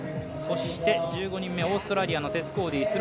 そして１５人目、オーストラリアのテス・コーディ。